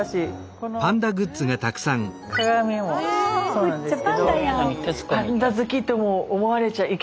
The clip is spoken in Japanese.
この鏡もそうなんですけど。